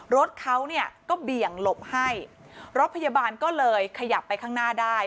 รถเขาเนี่ยก็เบี่ยงหลบให้รถพยาบาลก็เลยขยับไปข้างหน้าได้